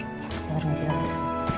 ya terima kasih pak bos